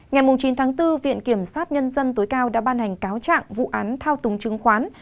ngày chín tháng bốn viện kiểm sát nhân dân tối cao đã ban hành cáo trạng vụ án thao túng chứng khoán